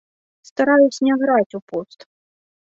Стараюся не граць у пост.